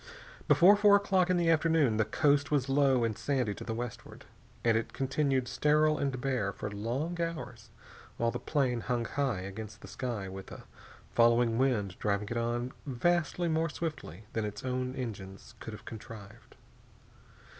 Before four o'clock in the afternoon the coast was low and sandy to the westward, and it continued sterile and bare for long hours while the plane hung high against the sky with a following wind driving it on vastly more swiftly than its own engines could have contrived.